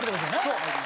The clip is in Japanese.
そう。